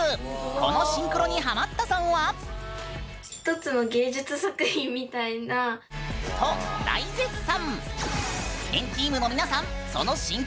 このシンクロにハマったさんは。と大絶賛！